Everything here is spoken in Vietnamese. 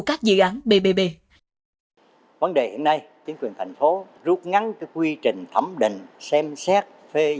các dự án ppp